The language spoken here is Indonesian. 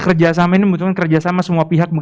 kerjasama ini membutuhkan kerjasama semua pihak